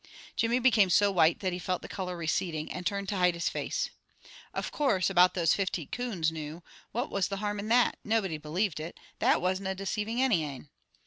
Jimmy became so white that he felt the color receding, and turned to hide his face. "Of course, about those fifty coons noo, what was the harm in that? Nobody believed it. That wasna deceiving any ane."